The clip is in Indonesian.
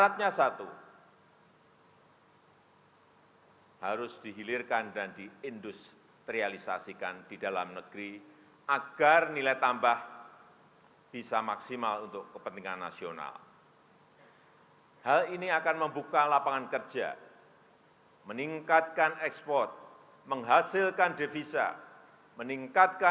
keuangan yang utama adalah pula kekayaan labour anggaran bagi kita dan saudara saudara